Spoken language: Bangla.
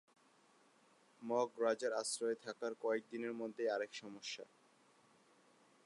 মগ রাজার আশ্রয়ে থাকার কয়েকদিনের মধ্যেই আরেক সমস্যা।